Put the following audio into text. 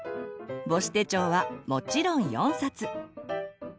母子手帳はもちろん４冊。